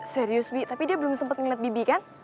serius bi tapi dia belum sempet liat bibi kan